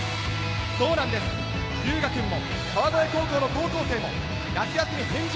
そうなんです、龍芽くんも川越高校の高校生も夏休み返上。